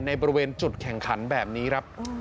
ในบริเวณจุดแข่งขันแบบนี้ครับ